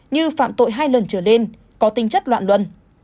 như phạm tội hai lần trở lên có tinh chất loạn luân